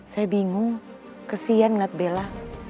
saya bingung kesian lihat bella